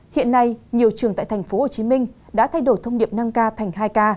hiện nay nhiều trường tại tp hcm đã thay đổi thông điệp năm k thành hai k